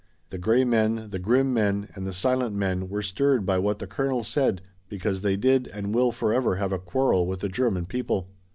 The gray men, the grim men and the silent men were stirred by what the colonel said because they did and will forever have a quarrel with the German people.